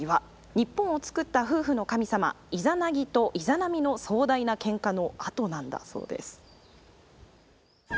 日本をつくった夫婦の神様イザナギとイザナミの壮大なケンカの跡なんだそうです。